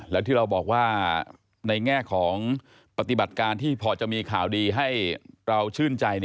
แล้วที่เราบอกว่าในแง่ของปฏิบัติการที่พอจะมีข่าวดีให้เราชื่นใจ